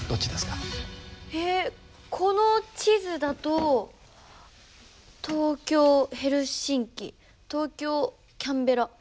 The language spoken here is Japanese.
えっこの地図だと東京ヘルシンキ東京キャンベラ。